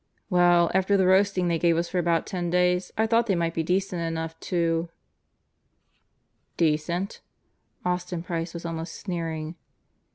"Well, after the roasting they gave us for about ten days, I thought they might be decent enough to " "Decent?" Austin Price was almost sneering.